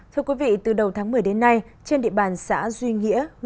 thưa quý vị từ đầu tháng một mươi đến nay trên địa bàn xã duy nghĩa